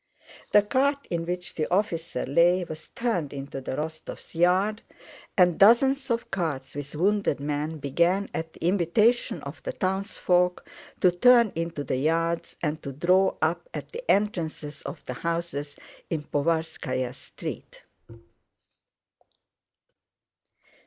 The cart in which the officer lay was turned into the Rostóvs' yard, and dozens of carts with wounded men began at the invitation of the townsfolk to turn into the yards and to draw up at the entrances of the houses in Povarskáya Street.